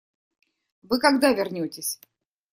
Вы когда вернетесь?